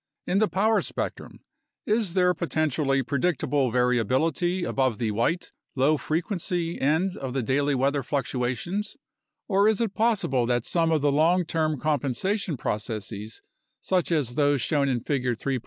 In the power spectrum is there potentially predictable variability above the "white," low frequency end of the daily weather fluctuations, or is it possible that some of the long term compensation processes, such as those shown in Figure 3.